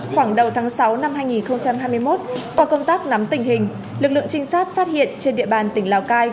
khoảng đầu tháng sáu năm hai nghìn hai mươi một qua công tác nắm tình hình lực lượng trinh sát phát hiện trên địa bàn tỉnh lào cai